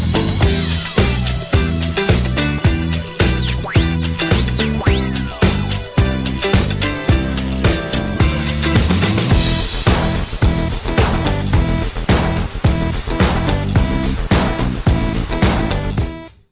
โปรดติดตามตอนต่อไป